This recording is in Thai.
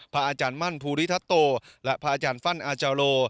อาจารย์มั่นภูริทัตโตและพระอาจารย์ฟั่นอาจาโล